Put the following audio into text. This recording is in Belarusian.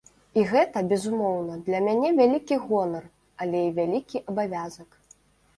І гэта, безумоўна, для мяне вялікі гонар, але і вялікі абавязак.